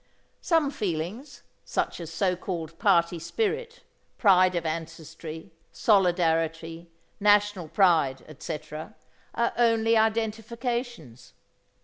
Some feelings, such as so called party spirit, pride of ancestry, solidarity, national pride, etc., are only identifications.